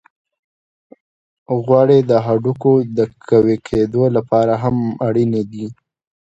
غوړې د هډوکو د قوی کیدو لپاره هم اړینې دي.